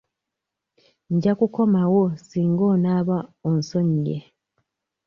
Nja kukomawo singa onaaba onsonyiye.